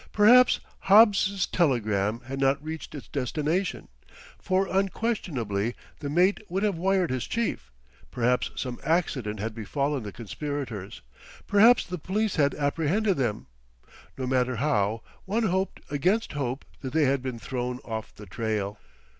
Perhaps Hobbs' telegram had not reached its destination, for unquestionably the mate would have wired his chief; perhaps some accident had befallen the conspirators; perhaps the police had apprehended them.... No matter how, one hoped against hope that they had been thrown off the trail.